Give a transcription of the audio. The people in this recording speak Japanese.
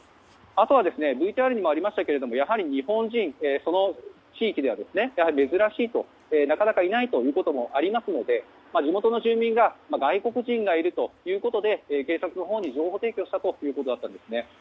あとはＶＴＲにもありましたがやはり日本人はその地域ではやはり珍しいと、なかなかいないということもありますので地元の住民が外国人がいるということで警察に情報提供したということだったんですね。